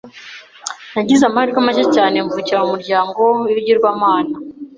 nagize amahirwe make cyane, mvukira mu muryango w’ibigirwamana,